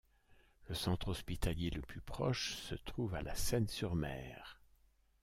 Le centre hospitalier le plus proche se trouve à La Seyne-sur-Mer.